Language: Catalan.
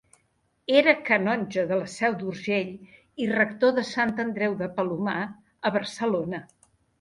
Era canonge de la Seu d'Urgell i rector de Sant Andreu de Palomar, a Barcelona.